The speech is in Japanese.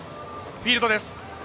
フィールドです。